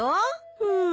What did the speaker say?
うん。